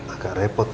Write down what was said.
agak repot ya